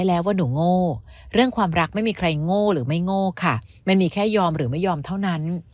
แล้วว่าหนูโง่เรื่องความรักไม่มีใครโง่หรือไม่โง่ค่ะมันมีแค่ยอมหรือไม่ยอมเท่านั้น